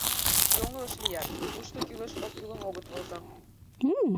Йоҥылыш лият: тушто кӱлеш-оккӱлым огыт возо.